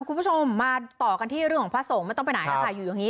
คุณผู้ชมมาต่อกันที่เรื่องของพระสงฆ์ไม่ต้องไปไหนแล้วค่ะอยู่อย่างนี้